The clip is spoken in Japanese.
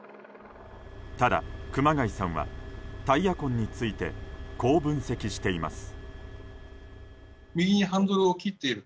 ただ、熊谷さんはタイヤ痕についてこう分析しています。